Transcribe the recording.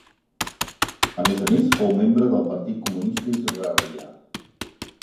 A més a més, fou membre del Partit Comunista Israelià.